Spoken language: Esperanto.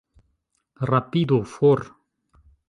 Rapidu, for!